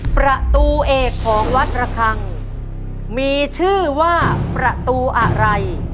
ประตูเอกของวัดระคังมีชื่อว่าประตูอะไร